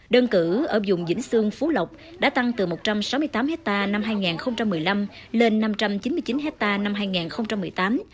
đơn cử ở dùng dĩnh xương phú lộc đã tăng từ một trăm sáu mươi tám hectare năm hai nghìn một mươi năm lên năm trăm chín mươi chín hectare năm hai nghìn một mươi tám